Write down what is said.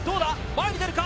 前に出るか？